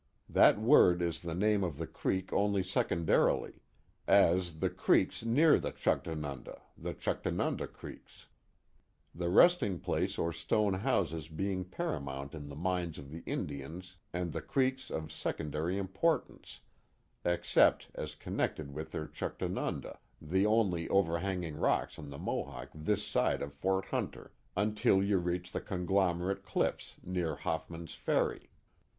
That word is the name of the creek only secondarily, as, the creeks near the Juchtanunda, the Juchtanunda creeks; the resting place or stone houses being paramount in the minds of the Indians and the creeks of secondary importance except as connected with their Juchtanunda, the only over hanging rocks on the Mohawk this side of Fort Hunter, until you reach the conglomerate cliffs near Hoffman's Ferry.